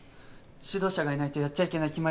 指導者がいないとやっちゃいけない決まりだから。